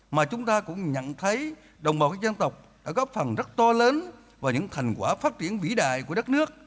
mà chúng ta cũng nhận thấy đồng bào các dân tộc đã góp phần rất to lớn vào những thành quả phát triển vĩ đại của đất nước